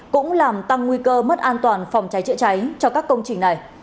cũng làm tăng nguy cơ mất an toàn phòng cháy chữa cháy cho các công trình này